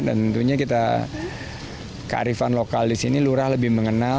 dan tentunya kita kearifan lokal di sini lurah lebih mengenal